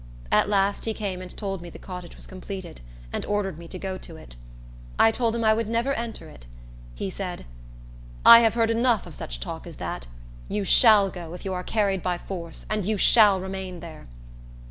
At last, he came and told me the cottage was completed, and ordered me to go to it. I told him I would never enter it. He said, "I have heard enough of such talk as that. You shall go, if you are carried by force; and you shall remain there."